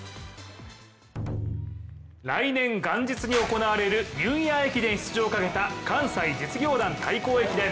来年元日に行われるニューイヤー駅伝出場をかけた関西実業団対抗駅伝。